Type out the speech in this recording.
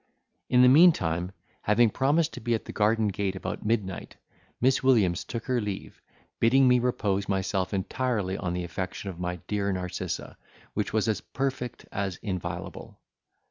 In the meantime, having promised to be at the garden gate about midnight, Miss Williams took her leave, bidding me repose myself entirely on the affection of my dear Narcissa, which was as perfect as inviolable.